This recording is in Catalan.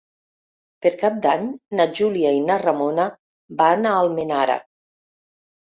Per Cap d'Any na Júlia i na Ramona van a Almenara.